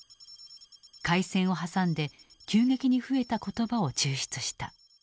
開戦を挟んで急激に増えた言葉を抽出した。